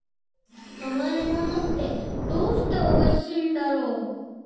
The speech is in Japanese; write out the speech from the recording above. あまいものってどうしておいしいんだろう。